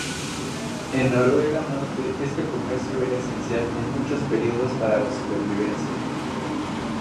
En Noruega norte este comercio era esencial en muchos períodos para la supervivencia.